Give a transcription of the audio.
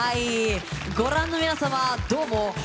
ご覧の皆様どうも！